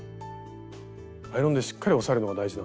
アイロンでしっかり押さえるのが大事なんですね。